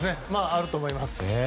あると思います。